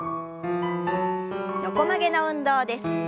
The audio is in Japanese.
横曲げの運動です。